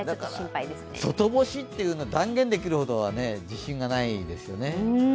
外干しって断言できるほど自信はないですよね。